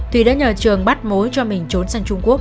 thùy đã nhờ trường bắt mối cho mình trốn sang trung quốc